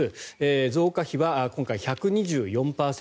増加比は今回、１２４％。